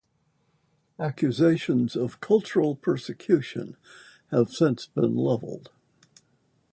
Accusations of cultural persecution have since been leveled.